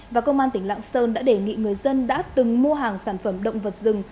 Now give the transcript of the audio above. và công an tỉnh lạng sơn đã đề nghị người dân đã từng mua hàng sản phẩm động vật rừng